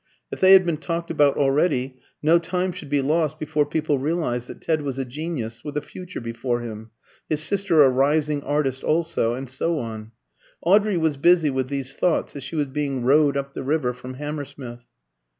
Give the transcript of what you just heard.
If they had been talked about already, no time should be lost before people realised that Ted was a genius with a future before him, his sister a rising artist also, and so on. Audrey was busy with these thoughts as she was being rowed up the river from Hammersmith.